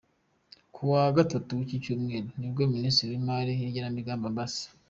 Kuwa Gatatu w’iki Cyumweru nibwo Minisitiri w’Imari n’Igenamigambi, Amb.